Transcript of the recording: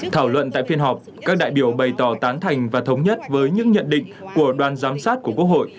thảo luận tại phiên họp các đại biểu bày tỏ tán thành và thống nhất với những nhận định của đoàn giám sát của quốc hội